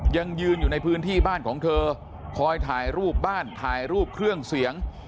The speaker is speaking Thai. ยังยืนอยู่ในพื้นที่บ้านของเธอคอยถ่ายรูปบ้านถ่ายรูปเครื่องเสียง